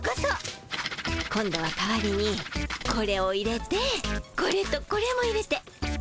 今度は代わりにこれを入れてこれとこれも入れて。